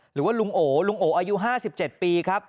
หรือว่าลุงโอลุงโออายุ๕๗ปีครับ